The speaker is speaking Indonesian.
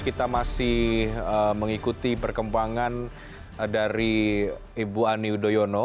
kita masih mengikuti perkembangan dari ibu ani yudhoyono